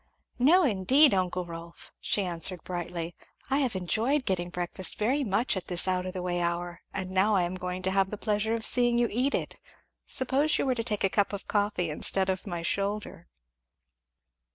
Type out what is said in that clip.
"No indeed, uncle Rolf," she answered brightly, "I have enjoyed getting breakfast very much at this out of the way hour, and now I am going to have the pleasure of seeing you eat it. Suppose you were to take a cup of coffee instead of my shoulder."